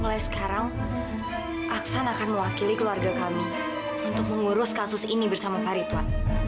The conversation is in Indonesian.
mulai sekarang aksan akan mewakili keluarga kami untuk mengurus kasus ini bersama pak ritwan